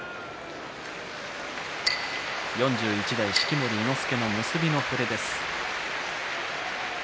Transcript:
４１代式守伊之助の結びの触れです。